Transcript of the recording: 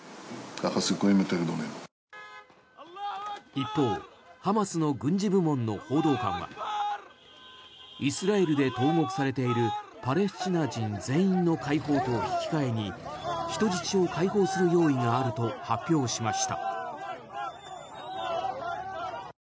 一方、ハマスの軍事部門の報道官はイスラエルで投獄されているパレスチナ人全員の解放と引き換えに人質を解放する用意があると発表しました。